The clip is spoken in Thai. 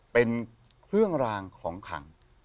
เป็นเครื่องรางของขัง